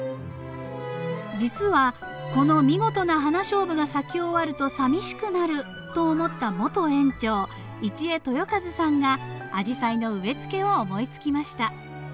実はこの見事なハナショウブが咲き終わるとさみしくなると思った元園長一江豊一さんがアジサイの植えつけを思いつきました。